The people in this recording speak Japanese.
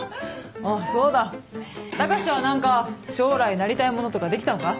あっそうだ高志は何か将来なりたいものとかできたのか？